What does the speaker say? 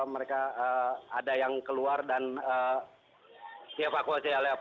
mereka ada yang keluar dan dievakuasi oleh aparat